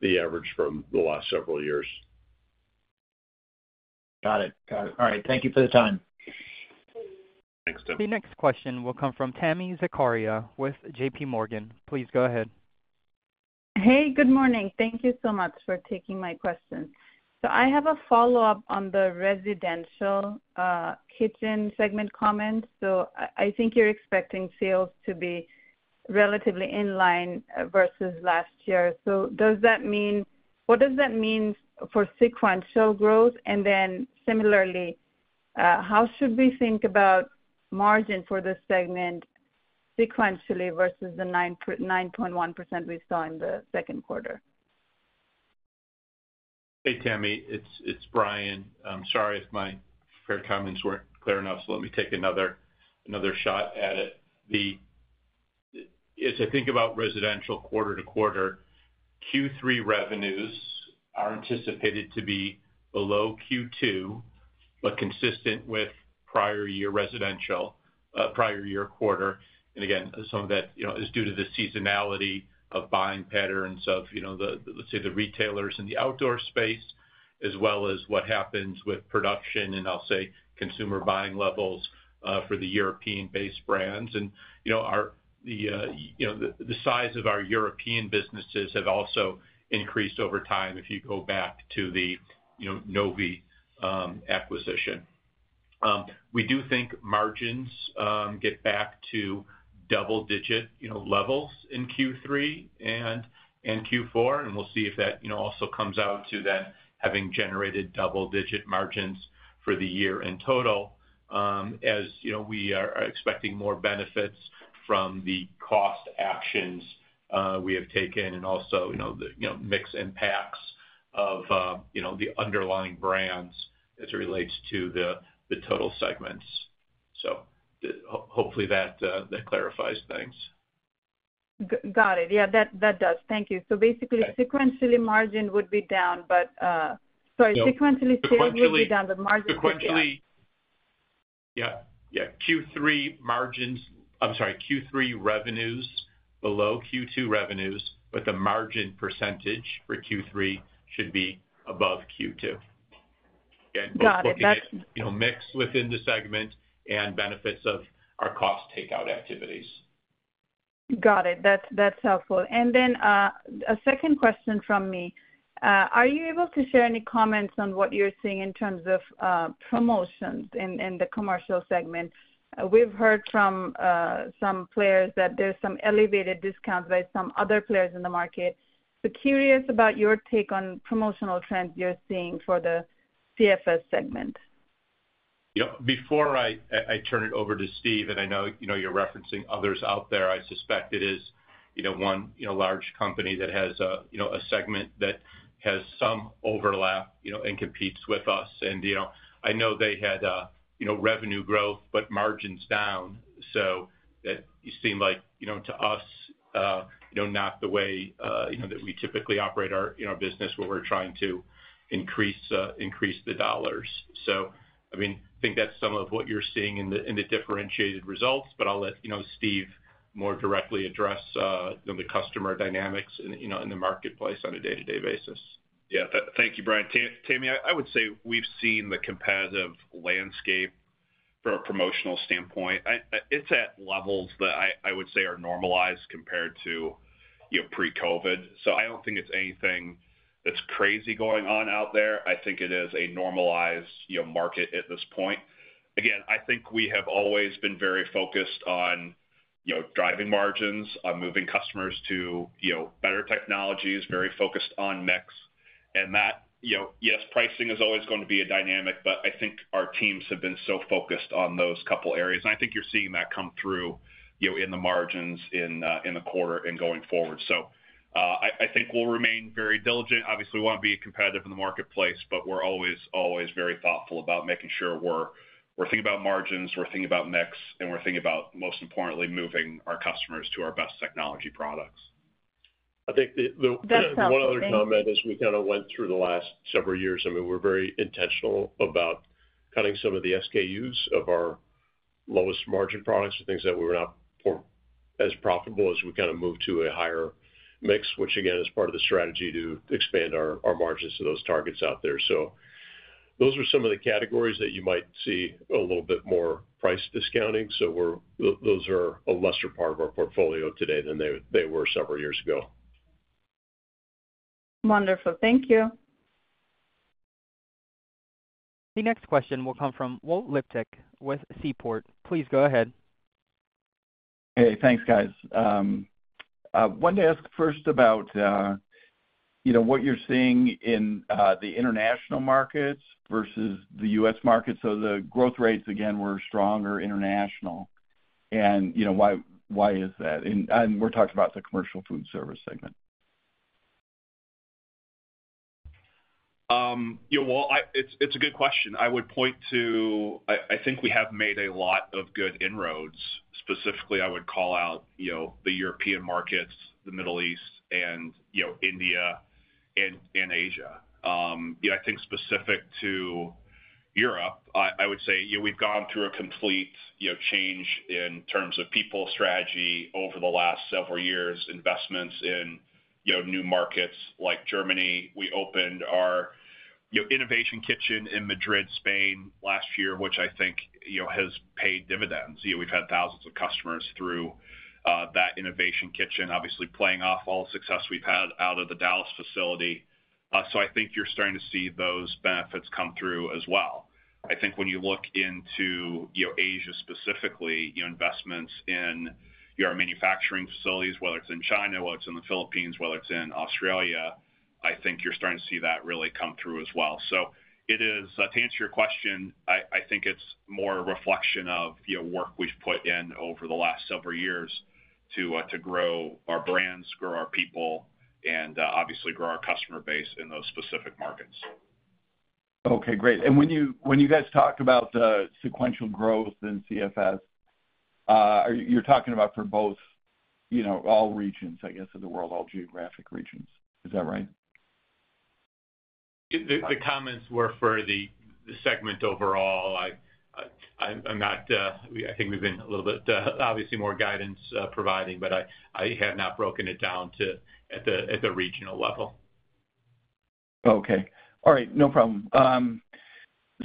the average from the last several years. Got it. Got it. All right. Thank you for the time. Thanks, Tim. The next question will come from Tami Zakaria with J.P. Morgan. Please go ahead. Hey, good morning. Thank you so much for taking my question. So I have a follow-up on the residential kitchen segment comment. So I think you're expecting sales to be relatively in line versus last year. So does that mean? What does that mean for sequential growth? And then similarly, how should we think about margin for this segment sequentially versus the 9.1% we saw in the second quarter? Hey, Tami, it's Brian. I'm sorry if my prepared comments weren't clear enough, so let me take another shot at it. As I think about residential quarter to quarter, Q3 revenues are anticipated to be below Q2, but consistent with prior year residential, prior year quarter. And again, some of that, you know, is due to the seasonality of buying patterns of, you know, the, let's say, the retailers in the outdoor space, as well as what happens with production, and I'll say, consumer buying levels, for the European-based brands. And, you know, the size of our European businesses have also increased over time, if you go back to the, you know, Novy acquisition. We do think margins get back to double-digit, you know, levels in Q3 and in Q4, and we'll see if that, you know, also comes out to then having generated double-digit margins for the year in total. As you know, we are expecting more benefits from the cost actions we have taken and also, you know, the mix impacts of the underlying brands as it relates to the total segments. So hopefully that clarifies things.... Got it. Yeah, that does. Thank you. So basically, sequentially, margin would be down, but... Sorry, sequentially sales will be down, but margin will be up. Sequentially, yep, yeah. I'm sorry, Q3 revenues below Q2 revenues, but the margin percentage for Q3 should be above Q2. Got it. You know, mix within the segment and benefits of our cost takeout activities. Got it. That's, that's helpful. And then a second question from me. Are you able to share any comments on what you're seeing in terms of promotions in the commercial segment? We've heard from some players that there's some elevated discounts by some other players in the market. So curious about your take on promotional trends you're seeing for the CFS segment. Yep. Before I turn it over to Steve, and I know, you know, you're referencing others out there. I suspect it is, you know, one, you know, large company that has a, you know, a segment that has some overlap, you know, and competes with us. And, you know, I know they had, you know, revenue growth, but margins down. So that you seem like, you know, to us, you know, not the way, you know, that we typically operate our, you know, business, where we're trying to increase the dollars. So, I mean, I think that's some of what you're seeing in the differentiated results, but I'll let, you know, Steve more directly address, you know, the customer dynamics, you know, in the marketplace on a day-to-day basis. Yeah. Thank you, Brian. Tami, I would say we've seen the competitive landscape from a promotional standpoint. It's at levels that I would say are normalized compared to, you know, pre-COVID. So I don't think it's anything that's crazy going on out there. I think it is a normalized, you know, market at this point. Again, I think we have always been very focused on, you know, driving margins, on moving customers to, you know, better technologies, very focused on mix. And that, you know, yes, pricing is always gonna be a dynamic, but I think our teams have been so focused on those couple areas. And I think you're seeing that come through, you know, in the margins in the quarter and going forward. So, I think we'll remain very diligent. Obviously, we wanna be competitive in the marketplace, but we're always, always very thoughtful about making sure we're, we're thinking about margins, we're thinking about mix, and we're thinking about, most importantly, moving our customers to our best technology products. I think the— That's helpful. One other comment, as we kind of went through the last several years, I mean, we're very intentional about cutting some of the SKUs of our lowest margin products, the things that we're not as profitable as we kind of move to a higher mix, which, again, is part of the strategy to expand our, our margins to those targets out there. So those are some of the categories that you might see a little bit more price discounting. So those are a lesser part of our portfolio today than they were several years ago. Wonderful. Thank you. The next question will come from Walt Liptak with Seaport. Please go ahead. Hey, thanks, guys. I wanted to ask first about, you know, what you're seeing in the international markets versus the U.S. market. So the growth rates, again, were stronger international, and, you know, why, why is that? And we're talking about the commercial food service segment. Yeah, well, it's a good question. I would point to... I think we have made a lot of good inroads. Specifically, I would call out, you know, the European markets, the Middle East, and, you know, India and Asia. You know, I think specific to Europe, I would say, you know, we've gone through a complete change in terms of people strategy over the last several years, investments in new markets like Germany. We opened our innovation kitchen in Madrid, Spain, last year, which I think has paid dividends. You know, we've had thousands of customers through that innovation kitchen, obviously playing off all the success we've had out of the Dallas facility. So I think you're starting to see those benefits come through as well. I think when you look into, you know, Asia specifically, your investments in your manufacturing facilities, whether it's in China, whether it's in the Philippines, whether it's in Australia, I think you're starting to see that really come through as well. So it is, to answer your question, I think it's more a reflection of, you know, work we've put in over the last several years to grow our brands, grow our people, and obviously, grow our customer base in those specific markets. Okay, great. And when you guys talked about the sequential growth in CFS, are you—you're talking about for both, you know, all regions, I guess, of the world, all geographic regions. Is that right? The comments were for the segment overall. I think we've been a little bit obviously providing more guidance, but I have not broken it down to the regional level. Okay. All right, no problem.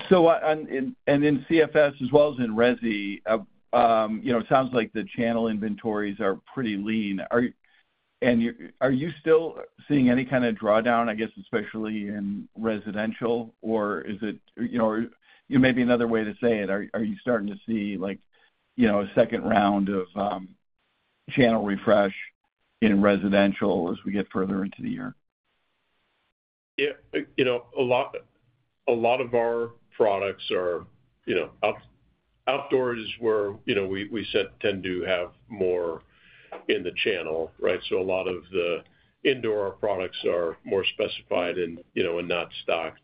So in CFS as well as in Resi, you know, it sounds like the channel inventories are pretty lean. Are you still seeing any kind of drawdown, I guess, especially in residential? Or is it, you know, maybe another way to say it, are you starting to see like, you know, a second round of channel refresh in residential as we get further into the year? Yeah, you know, a lot of our products are, you know, outdoors where, you know, we tend to have more in the channel, right? So a lot of the indoor products are more specified and, you know, and not stocked....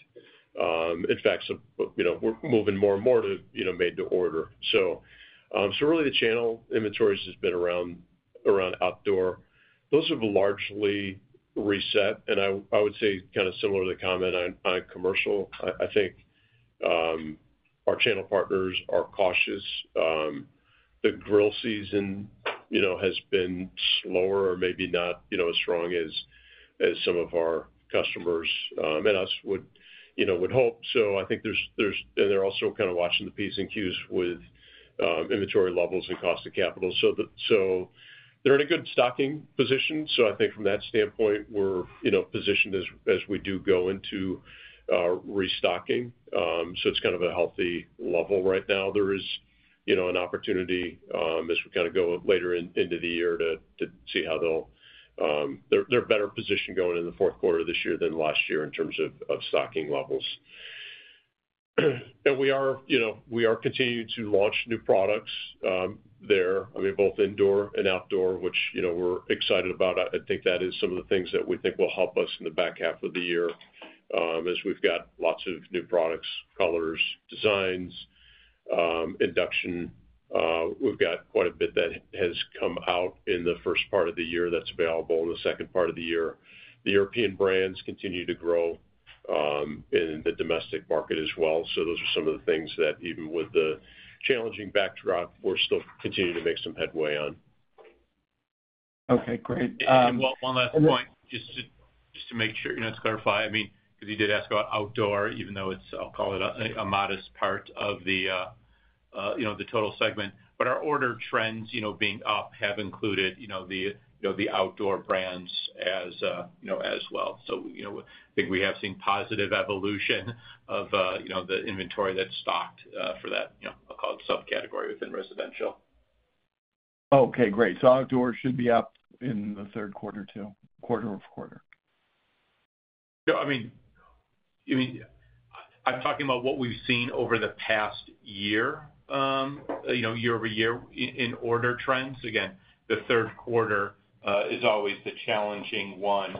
In fact, so, you know, we're moving more and more to, you know, made to order. So, so really, the channel inventories has been around outdoor. Those have largely reset, and I would say kind of similar to the comment on commercial. I think our channel partners are cautious. The grill season, you know, has been slower or maybe not, you know, as strong as some of our customers and us would, you know, would hope. So I think there's. And they're also kind of watching the P's and Q's with inventory levels and cost of capital. So the... So they're in a good stocking position. So I think from that standpoint, we're, you know, positioned as we do go into restocking. So it's kind of a healthy level right now. There is, you know, an opportunity, as we kind of go later in, into the year to, to see how they'll... They're, they're better positioned going into the fourth quarter this year than last year in terms of, of stocking levels. We are, you know, we are continuing to launch new products, there, I mean, both indoor and outdoor, which, you know, we're excited about. I, I think that is some of the things that we think will help us in the back half of the year, as we've got lots of new products, colors, designs, induction. We've got quite a bit that has come out in the first part of the year that's available in the second part of the year. The European brands continue to grow, in the domestic market as well. Those are some of the things that, even with the challenging backdrop, we're still continuing to make some headway on. Okay, great, And Walt, one last point, just to make sure, you know, to clarify. I mean, because you did ask about outdoor, even though it's, I'll call it a modest part of the, you know, the total segment. But our order trends, you know, being up, have included, you know, the, you know, the outdoor brands as, you know, as well. So, you know, I think we have seen positive evolution of, you know, the inventory that's stocked, for that, you know, I'll call it subcategory within residential. Okay, great. So outdoor should be up in the third quarter too, quarter-over-quarter? No, I mean, you mean... I'm talking about what we've seen over the past year, you know, year-over-year in order trends. Again, the third quarter is always the challenging one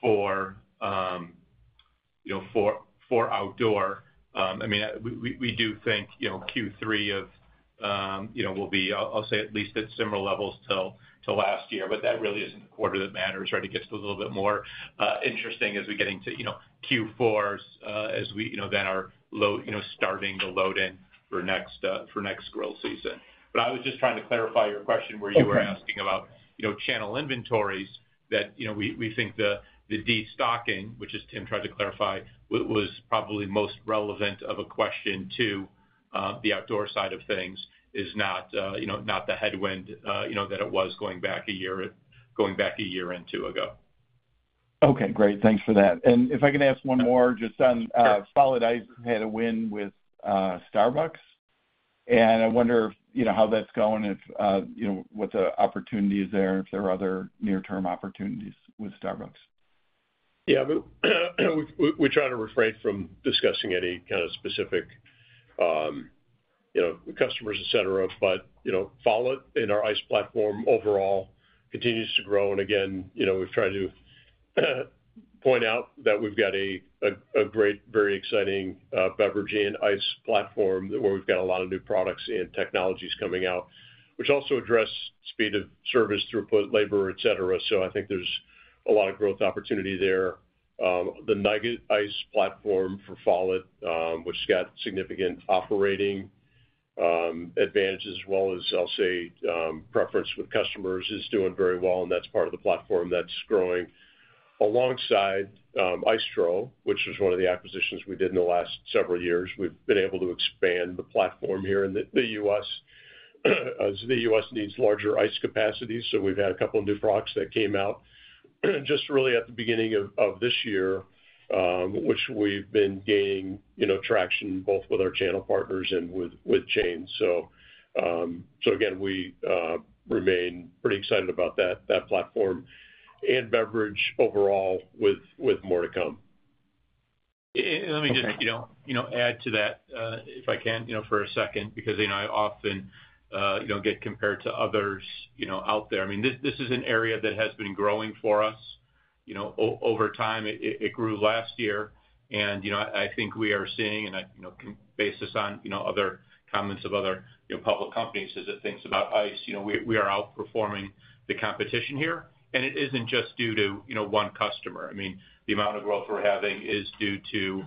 for, you know, for outdoor. I mean, we do think, you know, Q3 will be, I'll say, at least at similar levels till last year, but that really isn't the quarter that matters. Right? It gets a little bit more interesting as we get into, you know, Q4s, as we, you know, then are load, you know, starting the load in for next, for next grill season. But I was just trying to clarify your question, where you were- Okay. asking about, you know, channel inventories that, you know, we think the destocking, which as Tim tried to clarify, was probably most relevant of a question to the outdoor side of things, is not, you know, not the headwind, you know, that it was going back a year, going back a year and two ago. Okay, great. Thanks for that. And if I can ask one more, just on, Sure. Follett Ice had a win with Starbucks, and I wonder if, you know, how that's going, if you know, what the opportunity is there, if there are other near-term opportunities with Starbucks? Yeah. We try to refrain from discussing any kind of specific, you know, customers, et cetera. But, you know, Follett and our ice platform overall continues to grow. And again, you know, we've tried to point out that we've got a great, very exciting, beverage and ice platform where we've got a lot of new products and technologies coming out, which also address speed of service, throughput, labor, et cetera. So I think there's a lot of growth opportunity there. The nugget ice platform for Follett, which has got significant operating advantage, as well as, I'll say, preference with customers, is doing very well, and that's part of the platform that's growing. Alongside, Icetro, which is one of the acquisitions we did in the last several years, we've been able to expand the platform here in the, the U.S., as the U.S. needs larger ice capacity. So we've had a couple of new products that came out, just really at the beginning of, of this year, which we've been gaining, you know, traction both with our channel partners and with, with chains. So, so again, we remain pretty excited about that, that platform and beverage overall, with, with more to come. And let me just- Okay... you know, you know, add to that, if I can, you know, for a second, because, you know, I often, you know, get compared to others, you know, out there. I mean, this is an area that has been growing for us, you know, over time. It grew last year. And, you know, I think we are seeing, and I, you know, can base this on, you know, other comments of other, you know, public companies as it thinks about ice. You know, we are outperforming the competition here, and it isn't just due to, you know, one customer. I mean, the amount of growth we're having is due to,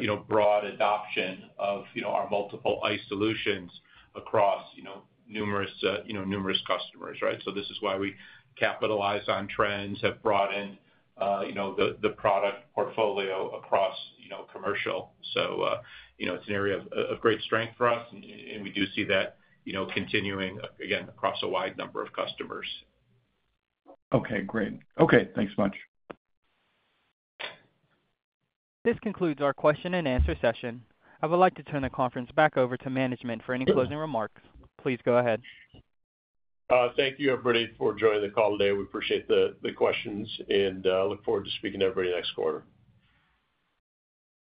you know, broad adoption of, you know, our multiple ice solutions across, you know, numerous, you know, numerous customers, right? So this is why we capitalize on trends, have brought in, you know, the product portfolio across, you know, commercial. So, you know, it's an area of great strength for us, and we do see that, you know, continuing, again, across a wide number of customers. Okay, great. Okay, thanks much. This concludes our question and answer session. I would like to turn the conference back over to management for any closing remarks. Please go ahead. Thank you, everybody, for joining the call today. We appreciate the questions, and look forward to speaking to everybody next quarter.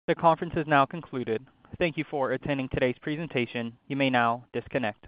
The conference is now concluded. Thank you for attending today's presentation. You may now disconnect.